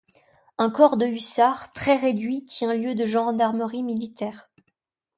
Un corps de hussards, très réduit, tient lieu de gendarmerie militaire.